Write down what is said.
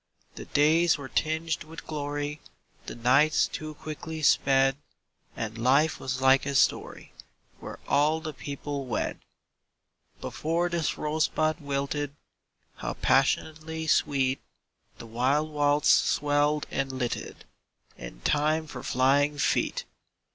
The days were tinged with glory, The nights too quickly sped, And life was like a story Where all the people wed. Before this rosebud wilted, How passionately sweet The wild waltz swelled and lilted In time for flying feet!